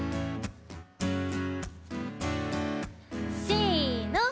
せの。